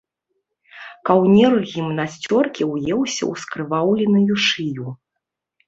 Каўнер гімнасцёркі ўеўся ў скрываўленую шыю.